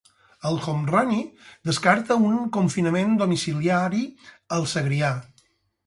El Homrani descarta un confinament domiciliari al Segrià.